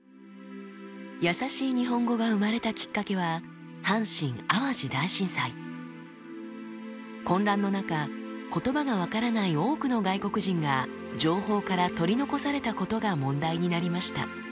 やさしい日本語が生まれたきっかけは混乱の中言葉が分からない多くの外国人が情報から取り残されたことが問題になりました。